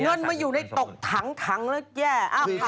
เงินมาอยู่ในตกถังแล้วแย่